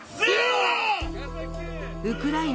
ウクライナ